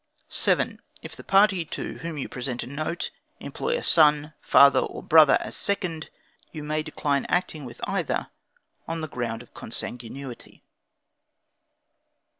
7. If the party, to whom you present a note, employ a son, father or brother, as a second, you may decline acting with either on the ground of consanguinity.